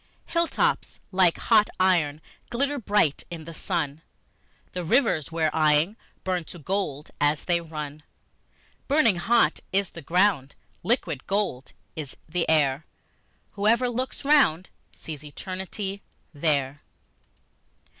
Hill tops like hot iron glitter bright in the sun, And the rivers we're eying burn to gold as they run; Burning hot is the ground, liquid gold is the air; Whoever looks round sees Eternity there.